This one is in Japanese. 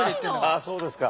ああそうですか。